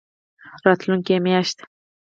راتلونکې میاشت